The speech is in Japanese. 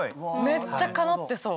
めっちゃかなってそう。